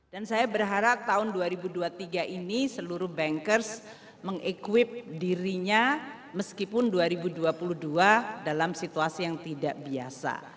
dan saya berharap tahun dua ribu dua puluh tiga ini seluruh bankers mengekwip dirinya meskipun dua ribu dua puluh dua dalam situasi yang tidak biasa